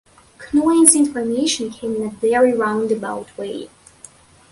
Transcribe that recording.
Cnoyen's information came in a very round-about way.